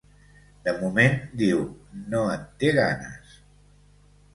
De moment, diu, no en té ganes.